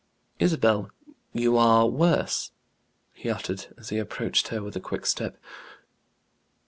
"Isabel, you are worse!" he uttered, as he approached her with a quick step.